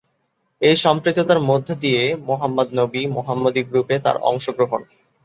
এই সম্পৃক্ততার মধ্যে ছিল মোহাম্মদ নবী মোহাম্মদী গ্রুপে তার অংশগ্রহণ।